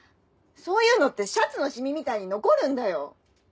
そういうのってシャツの染みみたいに残るんだよ！